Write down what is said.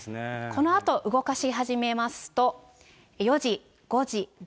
このあと動かし始めますと、４時、５時、６時。